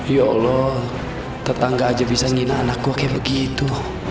ya allah tetangga aja bisa nginah anak gue kayak begitu